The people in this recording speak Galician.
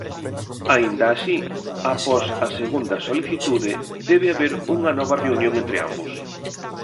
Aínda así, após a segunda solicitude debe haber unha nova reunión entre ambos.